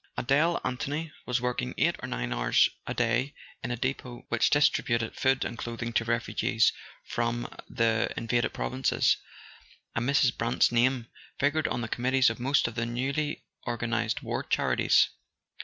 Adele Anthony was working eight or nine hours a day in a Depot which [ 128 ] A SON AT THE FRONT distributed food and clothing to refugees from the in¬ vaded provinces; and Mrs. Brant's name figured on the committees of most of the newly organized war charities.